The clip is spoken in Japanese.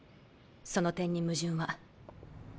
その点に矛盾は。